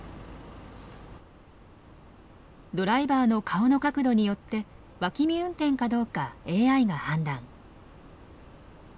ドライバーの顔の角度によって脇見運転かどうかＡＩが判断。